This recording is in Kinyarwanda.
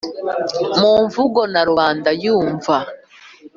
mu mvugo na rubanda yumva,